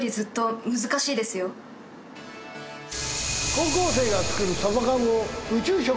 高校生が作るサバ缶を宇宙食にする。